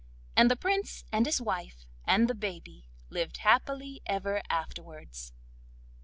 And the Prince, and his wife, and the baby lived happy ever afterwards.